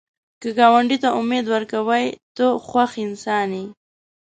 که ګاونډي ته امید ورکوې، ته خوښ انسان یې